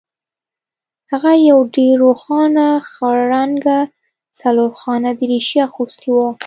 هغه یو ډیر روښانه خړ رنګه څلورخانه دریشي اغوستې وه